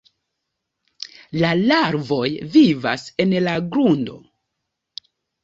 La larvoj vivas en la grundo.